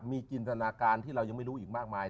มีจินตนาการที่เรายังไม่รู้อีกมากมาย